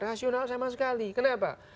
rasional sama sekali kenapa